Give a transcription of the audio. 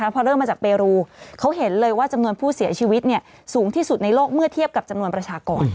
พอเริ่มมาจากเปรูเขาเห็นเลยว่าจำนวนผู้เสียชีวิตสูงที่สุดในโลกเมื่อเทียบกับจำนวนประชากร